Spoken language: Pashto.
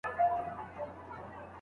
خو کوتري تا چي هر څه زېږولي